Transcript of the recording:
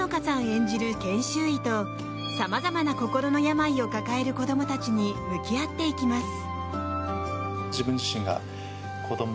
演じる研修医と様々な心の病を抱える子どもたちに向き合っていきます。